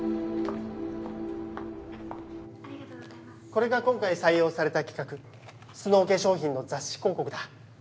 これが今回採用された企画スノー化粧品の雑誌広告だ。